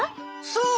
そう。